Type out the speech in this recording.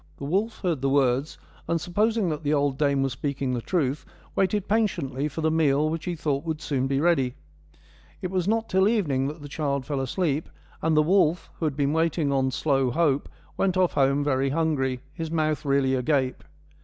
The wolf heard the words, and supposing that the old dame was speaking the truth, waited patiently for the meal which he thought would soon be ready. It was not till evening that the child fell asleep, and the wolf, who had been waiting on slow hope, went off home very hungry, his mouth really agape.